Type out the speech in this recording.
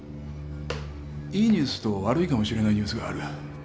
いいニュースと悪いかもしれないニュースがある。